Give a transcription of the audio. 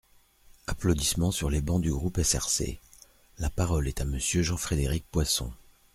(Applaudissements sur les bancs du groupe SRC.) La parole est à Monsieur Jean-Frédéric Poisson.